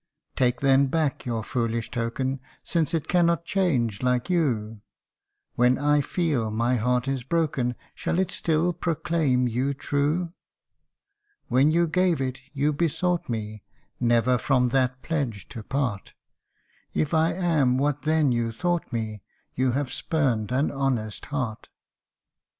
TAKE then back your foolish token, Since it cannot change like you ; When I feel my heart is broken, Shall it still proclaim you true ? When you gave it, you besought me Never from that pledge to part : If I am what then you thought me, You have spurned an honest heart